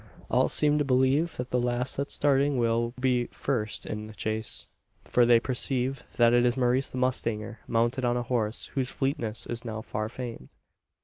All seem to believe that the last at starting will be first in the chase: for they perceive that it is Maurice the mustanger mounted on a horse whose fleetness is now far famed.